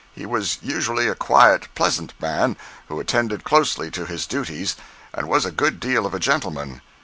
He was usually a quiet, pleasant man, who attended closely to his duties, and was a good deal of a gentleman.